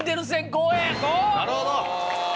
なるほど！